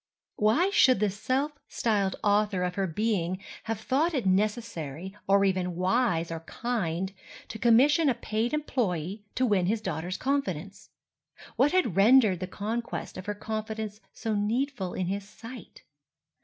Why should the self styled author of her being have thought it necessary, or even wise or kind, to commission a paid employee to win his daughter's confidence? What had rendered the conquest of her confidence so needful in his sight?